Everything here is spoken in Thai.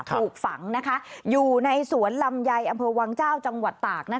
ถูกฝังอยู่ในสวนลำไยอำเภอวังเจ้าจังหวัดตาก